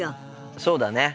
そうだね。